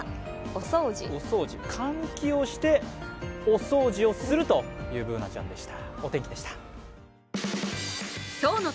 換気をしてお掃除をするＢｏｏｎａちゃんでした。